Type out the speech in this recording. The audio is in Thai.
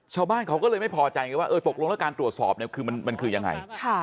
ชาวบ้านเขาก็เลยไม่พอใจว่าตกลงแล้วการตรวจสอบมันคือยังไง